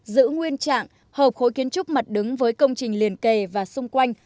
giữ nguyên trạng hợp khối kiến trúc mặt đứng với công trình liền kề và xung quanh